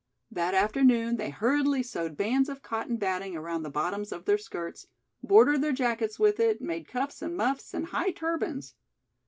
That afternoon they hurriedly sewed bands of cotton batting around the bottoms of their skirts, bordered their jackets with it, made cuffs and muffs and high turbans.